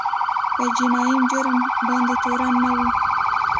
په جنایي جرم باید تورن نه وي.